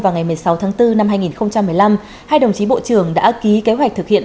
vào ngày một mươi sáu tháng bốn năm hai nghìn một mươi năm hai đồng chí bộ trưởng đã ký kế hoạch thực hiện